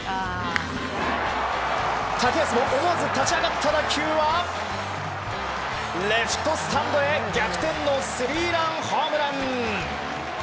竹安も思わず立ち上がった打球はレフトスタンドへ逆転のスリーランホームラン。